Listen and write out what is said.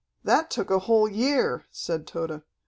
"That took a whole year," said Tode.